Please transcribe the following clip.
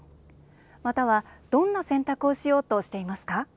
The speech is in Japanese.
または、どんな選択をしようとしていますか？